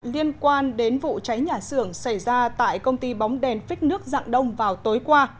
liên quan đến vụ cháy nhà xưởng xảy ra tại công ty bóng đèn phích nước dạng đông vào tối qua